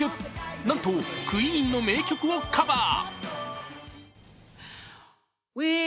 なんとＱＵＥＥＮの名曲をカバー。